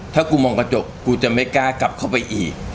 ถ้ากูมองกระจกกูจะไม่กล้ากลับเข้าไปอีก